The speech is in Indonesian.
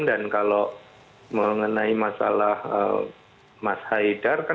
dan kalau mengenai masalah mas haidar